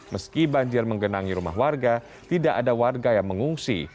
meski banjir menggenangi rumah warga tidak ada warga yang mengungsi